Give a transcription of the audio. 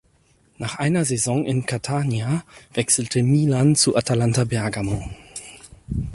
Nach einer Saison in Catania wechselte Milan zu Atalanta Bergamo.